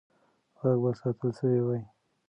غږ به ساتل سوی وي.